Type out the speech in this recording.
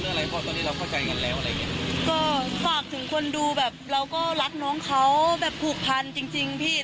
เพราะตอนนี้เราเข้าใจกันแล้วอะไรอย่างเงี้ยก็ฝากถึงคนดูแบบเราก็รักน้องเขาแบบผูกพันจริงจริงพี่